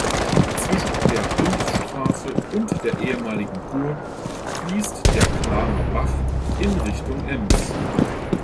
Zwischen der Bundesstraße und der ehemaligen Burg fließt der Glaner Bach in Richtung Ems.